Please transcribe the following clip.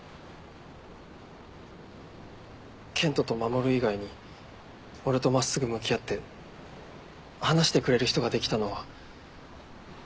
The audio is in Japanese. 健人と守以外に俺と真っすぐ向き合って話してくれる人ができたのは。